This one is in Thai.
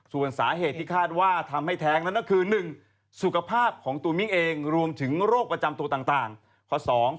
ส่วนสาเหตุที่คาดว่าทำให้แท้งนั้นก็คือ๑สุขภาพของตัวมิ้งเองรวมถึงโรคประจำตัวต่าง